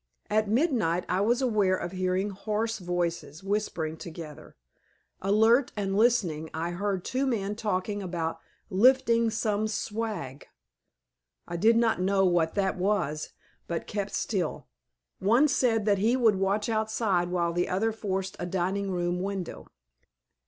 At midnight I was aware of hearing hoarse voices whispering together; alert and listening I heard two men talking about "lifting some swag." I did not know what that was but kept still. One said that he would watch outside while the other forced a dining room window.